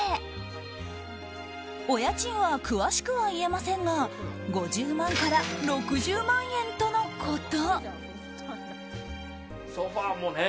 お家賃は詳しくは言えませんが５０万から６０万円とのこと。